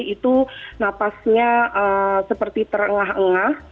itu napasnya seperti terengah engah